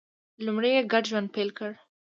لومړی یې ګډ ژوند پیل کړ